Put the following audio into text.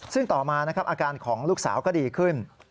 ซึ่งต่อมานะครับอาการของลูกสาวก็ดีขึ้น